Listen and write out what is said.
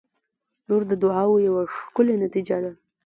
• لور د دعاوو یوه ښکلي نتیجه ده.